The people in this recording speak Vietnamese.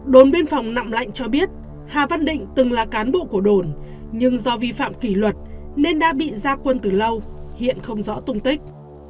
đồn biên phòng nậm lạnh cho biết hà văn định từng là cán bộ của đồn nhưng do vi phạm kỷ luật nên đã bị ra quân từ lâu hiện không rõ tung tích